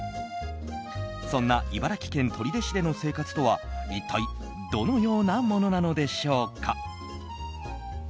そんな茨城県取手市での生活とは一体どのようなものなのでしょうか。